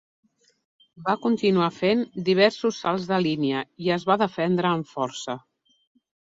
Va continuar fent diversos salts de línia i es va defendre amb força.